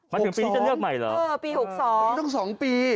ปี๖๒ต้องเลือก๒ปี